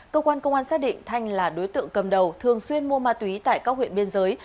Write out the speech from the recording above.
cơ quan công an xác định thanh là đối tượng cầm đầu thường xuyên mua ma túy tại các huyện biên giới